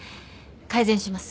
改善します。